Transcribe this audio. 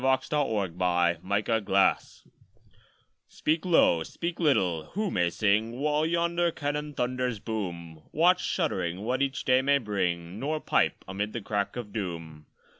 SEPTEMBER 21, 1870 Speak low, speak little; who may sing While yonder cannon thunders boom? Watch, shuddering, what each day may bring: Nor 'pipe amid the crack of doom.'